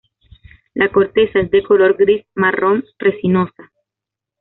La corteza es de color gris-marrón resinosa.